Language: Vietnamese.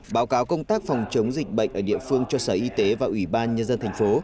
báo cáo công tác phòng chống dịch bệnh ở địa phương cho sở y tế và ủy ban nhân dân thành phố